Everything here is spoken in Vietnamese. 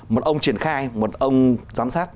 một ông triển khai một ông giám sát